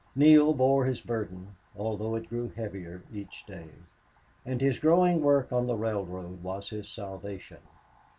Neale bore his burden, although it grew heavier each day. And his growing work on the railroad was his salvation.